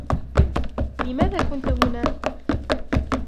لماذا كنت هناك ؟